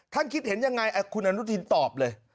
ท่านคิดเห็นอย่างไรคุณอนุทินตอบเลย